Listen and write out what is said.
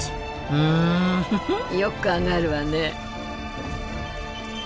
ふんよく考えるわね。